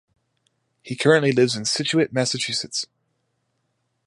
He currently lives in Scituate, Massachusetts.